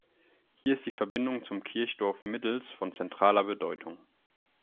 Hier ist die Verbindung zum Kirchdorf Middels von zentraler Bedeutung.